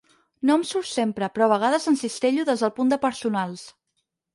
No em surt sempre, però a vegades encistello des del punt de personals.